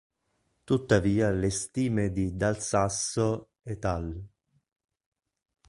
Tuttavia le stime di Dal Sasso "et al.